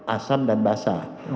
asam dan basah